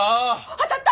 当たった！